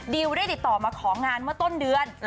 ได้ติดต่อมาของานเมื่อต้นเดือน